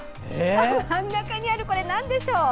真ん中にあるこれ、何でしょう？